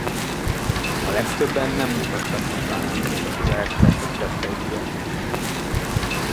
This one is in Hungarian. A legtöbben nem mutattak megbánást az elkövetett tetteikért.